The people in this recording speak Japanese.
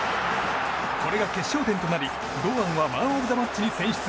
これが決勝点となり堂安はマンオブザマッチに選出。